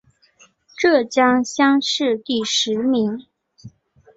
浙江乡试第十名。